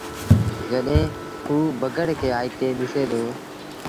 جڏهيݩٚ اوٚ بگھڙ کي آئيٚتي ڏسي دو